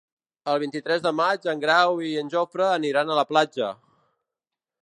El vint-i-tres de maig en Grau i en Jofre aniran a la platja.